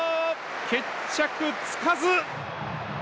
決着つかず！